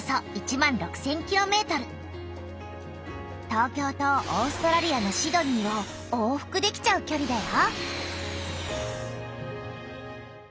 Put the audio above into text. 東京とオーストラリアのシドニーを往復できちゃうきょりだよ。